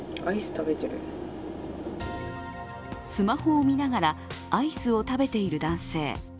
スマホを見ながらアイスを食べている男性。